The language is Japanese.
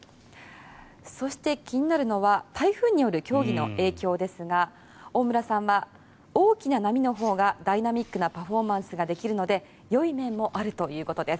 そして、気になるのは台風による競技の影響ですが大村さんは大きな波のほうがダイナミックなパフォーマンスができるのでよい面もあるということです。